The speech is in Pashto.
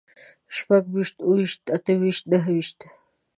شپږويشت، اووهويشت، اتهويشت، نههويشت